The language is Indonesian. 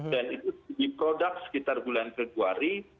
dan itu di produk sekitar bulan februari